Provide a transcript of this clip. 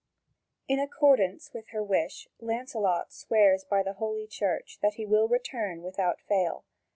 In accordance with her wish, Lancelot swears by Holy Church that he will return without fail.